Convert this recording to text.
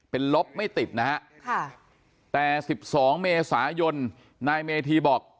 เป็นลบไม่ติดนะฮะค่ะแต่สิบสองเมษายนนายเมธีบอก